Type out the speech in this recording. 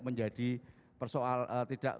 menjadi persoal tidak